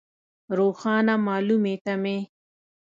روښانه مالومې تمې.